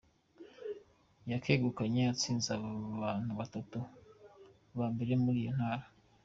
Yakegukanye atsinze abantu batatu ba mbere muri iyo ntara.